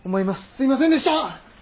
すいませんでした！